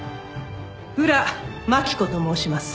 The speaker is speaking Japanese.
宇良真紀子と申します。